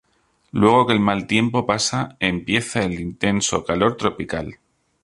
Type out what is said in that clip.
Luego que el mal tiempo pasa empieza el intenso calor tropical.